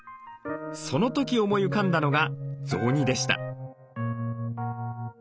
その時思い浮かんだのが雑煮でした。